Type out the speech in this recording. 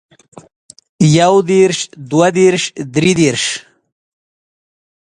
يو دېرش دوه دېرش درې دېرش